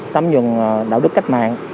tấm nhuận đạo đức cách mạng